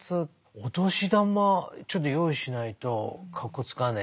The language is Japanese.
お年玉ちょっと用意しないとかっこつかねえなあ。